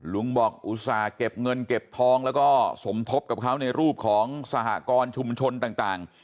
ลุงบอกอุตส่าห์เก็บเงินเก็บทองแล้วก็สมทบกับเขาในรูปของสหกรณ์ชุมชนต่าง